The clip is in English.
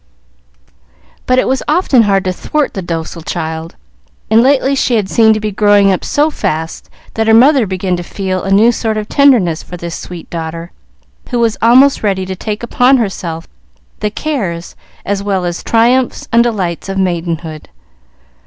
But it was often hard to thwart the docile child, and lately she had seemed to be growing up so fast that her mother began to feel a new sort of tenderness for this sweet daughter, who was almost ready to take upon herself the cares, as well as triumphs and delights, of maidenhood.